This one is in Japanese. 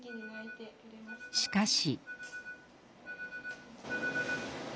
しかし。